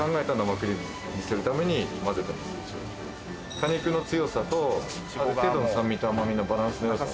果肉の強さとある程度の酸味と甘みのバランスのよさ